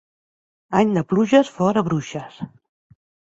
Any de pluges, fora bruixes.